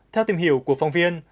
theo tìm hiểu của phóng viên